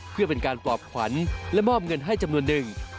เพื่อเป็นการปลอบขวัญและมอบเงินให้จำนวนหนึ่ง